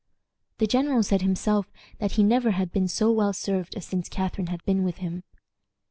The general said himself that he never had been so well served as since Catharine had been with him.